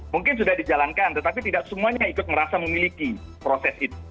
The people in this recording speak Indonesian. mungkin sudah dijalankan tetapi tidak semuanya ikut merasa memiliki proses itu